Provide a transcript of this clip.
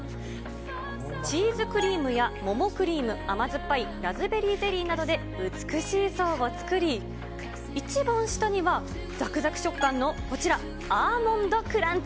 チーズクリームや桃クリーム、甘酸っぱいラズベリーゼリーなどで美しい層を作り、一番下には、ざくざく食感のこちら、アーモンドクランチ。